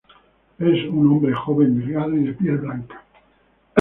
Es un hombre joven delgado y de piel blanca.